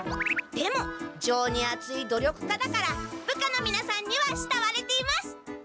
でも情にあつい努力家だから部下のみなさんにはしたわれています！